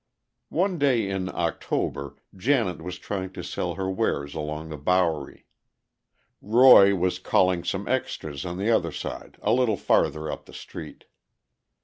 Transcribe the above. One day in October, Janet was trying to sell her wares along the Bowery; Roy was calling some extras on the other side, a little farther up the street.